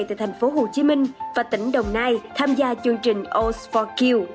tại thành phố hồ chí minh và tỉnh đồng nai tham gia chương trình oath for q